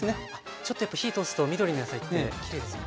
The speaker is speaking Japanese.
ちょっとやっぱ火通すと緑の野菜ってきれいですよね。